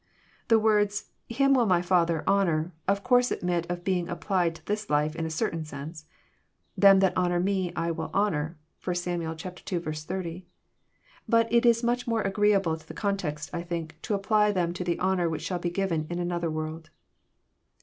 The words, Him will my Father honour," of course admit ' of being applied to this life in a certain sense: Them that '. honour Me I will honour." (1 Sam. 11. 80.^ But it is much more I agreeable to the context, I think, to apply them to the honour ' which shall be given in another world.